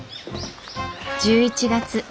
１１月。